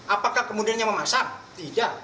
apakah kemudiannya memasang tidak